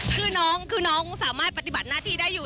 คือน้องคือน้องสามารถปฏิบัติหน้าที่ได้อยู่